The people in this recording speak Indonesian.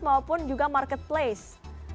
maupun juga marketplace